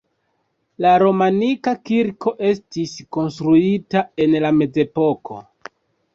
La romanika kirko estis konstruita en la mezepoko.